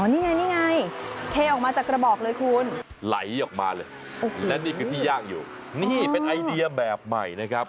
นี่ไงนี่ไงเทออกมาจากกระบอกเลยคุณไหลออกมาเลยและนี่คือที่ย่างอยู่นี่เป็นไอเดียแบบใหม่นะครับ